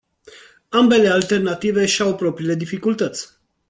Ambele alternative își au propriile dificultăți.